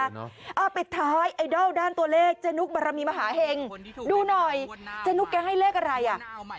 อ่าปิดท้ายไอดอลด้านตัวเลขเจนุกบารมีมหาเห็งดูหน่อยเจนุกแกให้เลขอะไรอ่ะ